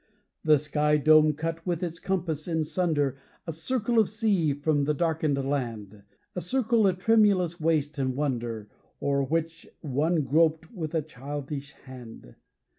The sky dome cut with its compass in sunder A circle of sea from the darkened land, A circle of tremulous waste and wonder, O'er which one groped with a childish hand.